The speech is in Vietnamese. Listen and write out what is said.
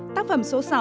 tác phẩm số sáu